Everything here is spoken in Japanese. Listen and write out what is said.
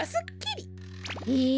へえ。